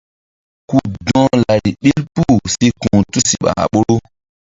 Ku dɔ̧h lari ɓil pul si ku̧h tusiɓa a ɓoru.